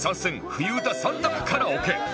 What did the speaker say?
冬歌３択カラオケ